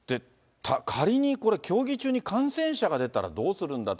仮にこれ、競技中に感染者が出たらどうするんだと。